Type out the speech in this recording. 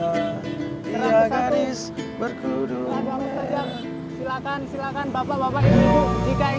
anak soleh ha